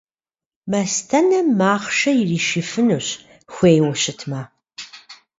Мастэнэм махъшэ иришыфынущ, хуейуэ щытымэ.